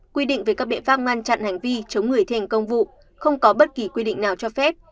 quy định về các biện pháp ngăn chặn hành vi chống người thi hành công vụ không có bất kỳ quy định nào cho phép